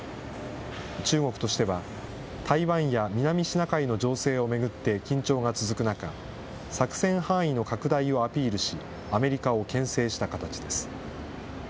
中国としては、台湾や南シナ海の情勢を巡って緊張が続く中、作戦範囲の拡大をアピールし、アメリカをけん制した形です。